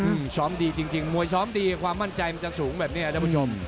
อืมซ้อมดีจริงจริงมวยซ้อมดีความมั่นใจมันจะสูงแบบเนี้ยท่านผู้ชม